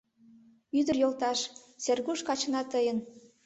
— Ӱдыр йолташ, Сергуш качына тыйын.